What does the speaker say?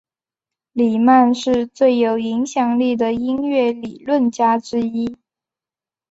里曼是最有影响力的音乐理论家之一。